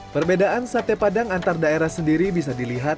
perbedaan sate padang antar daerah sendiri bisa dilihat